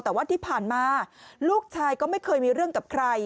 แต่ว่าที่ผ่านมาลูกชายก็ไม่เคยมีเรื่องกับใคร